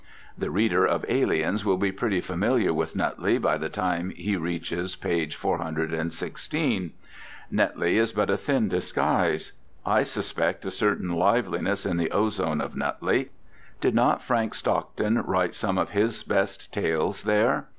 The reader of Aliens will be pretty familiar with Nutley by the time he reaches page 416. "Netley" is but a thin disguise. I suspect a certain liveliness in the ozone of Nutley. Did not Frank Stockton write some of his best tales there?